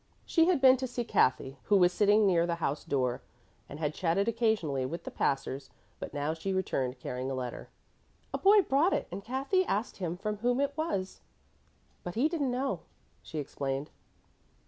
She had been to see Kathy, who was sitting near the house door, and had chatted occasionally with the passers, but now she returned carrying a letter. "A boy brought it, and Kathy asked him from whom it was, but he didn't know," she explained.